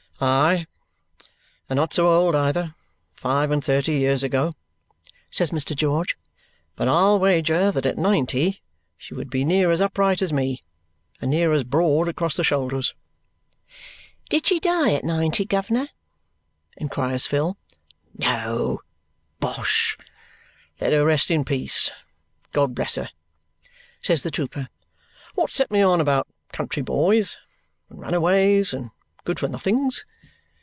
"Aye! And not so old either, five and thirty years ago," says Mr. George. "But I'll wager that at ninety she would be near as upright as me, and near as broad across the shoulders." "Did she die at ninety, guv'ner?" inquires Phil. "No. Bosh! Let her rest in peace, God bless her!" says the trooper. "What set me on about country boys, and runaways, and good for nothings?